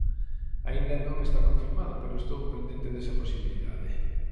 Aínda non está confirmado, pero estou pendente desa posibilidade.